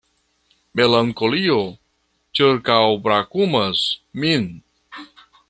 Melankolio ĉirkaŭbrakumas min.